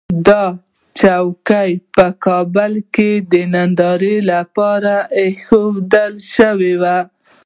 دا چوکۍ په کابل کې د نندارې لپاره اېښودل شوې ده.